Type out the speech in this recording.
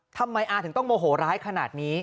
ทำไมอาถึงต้องโมโหร้ายขนาดนี้